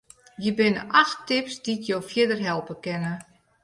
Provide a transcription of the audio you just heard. Hjir binne acht tips dy't jo fierder helpe kinne.